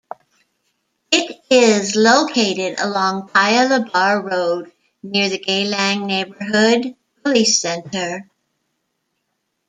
It is located along Paya Lebar Road, near the Geylang Neighbourhood Police Centre.